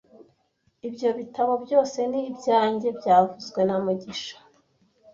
Ibyo bitabo byose ni ibyanjye byavuzwe na mugisha